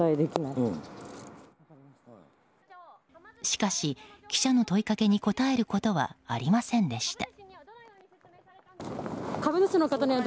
しかし、記者の問いかけに答えることはありませんでした。